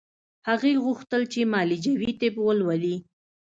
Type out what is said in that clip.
هغې غوښتل چې معالجوي طب ولولي